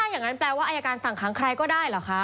อย่างนั้นแปลว่าอายการสั่งขังใครก็ได้เหรอคะ